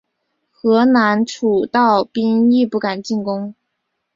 河南诸道兵亦不敢进攻。